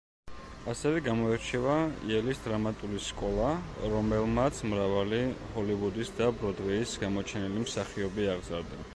ასევე გამოირჩევა იელის დრამატული სკოლა, რომელმაც მრავალი ჰოლივუდის და ბროდვეის გამოჩენილი მსახიობი აღზარდა.